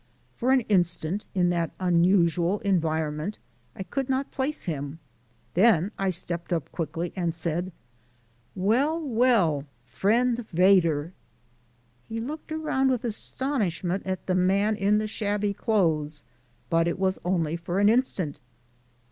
For an instant; in that unusual environment, I could not place him, then I stepped up quickly and said: "Well, well, Friend Vedder." He looked around with astonishment at the man in the shabby clothes but it was only for an instant.